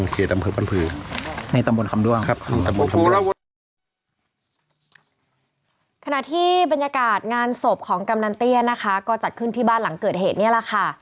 ขณะที่บรรยากาศงานศพของกำนันเตี้ยนะคะก็จัดขึ้นที่บ้านหลังเกิดเหตุนี่แหละค่ะ